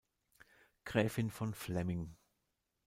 Gräfin von Flemming.